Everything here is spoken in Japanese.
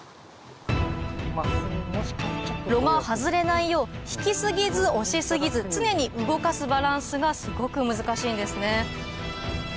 櫓が外れないよう引き過ぎず押し過ぎず常に動かすバランスがすごく難しいんですね